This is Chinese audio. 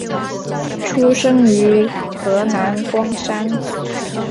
出生于河南光山。